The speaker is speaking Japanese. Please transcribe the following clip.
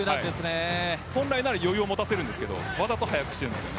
本来なら余裕を持たせるんですがわざと速くしているんです。